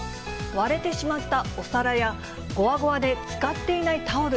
割れてしまったお皿や、ごわごわで使っていないタオル。